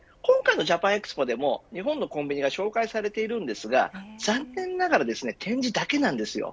今回のＪａｐａｎＥｘｐｏも日本のコンビニが紹介されていますが残念ながら展示だけなんです。